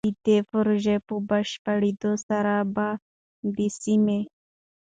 د دې پروژې په بشپړېدو سره به د سيمې